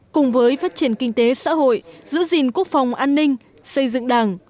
cùng với phát triển kinh tế xã hội giữ gìn quốc phòng an ninh xây dựng đảng